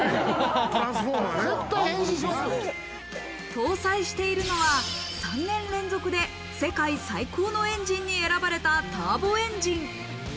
搭載しているのは３年連続で世界最高のエンジンに選ばれたターボエンジン。